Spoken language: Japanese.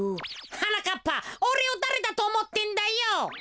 はなかっぱおれをだれだとおもってんだよ。